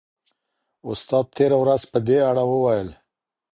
استاد تېره ورځ په دې اړه وویل.